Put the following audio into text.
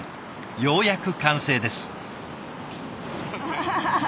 ようやく完成です。